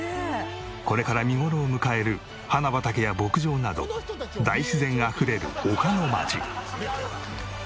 これから見頃を迎える花畑や牧場など大自然あふれる丘のまち。